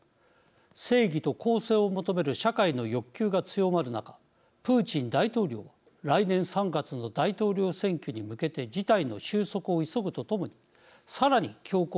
正義と公正を求める社会の欲求が強まる中プーチン大統領は来年３月の大統領選挙に向けて事態の収束を急ぐとともにさらに強硬な姿勢を示しています。